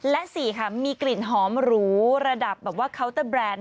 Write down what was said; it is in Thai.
และ๔ค่ะมีกลิ่นหอมหรูระดับแบบว่าเคาน์เตอร์แบรนด์